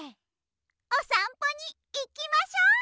おさんぽにいきましょ！